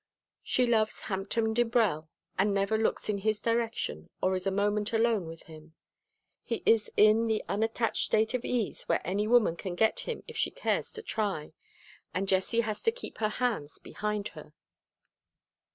She loves Hampton Dibrell and never looks in his direction or is a moment alone with him. He is in the unattached state of ease where any woman can get him if she cares to try, and Jessie has to keep her hands behind her.